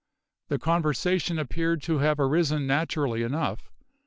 The conversation appeared to have arisen naturally enough.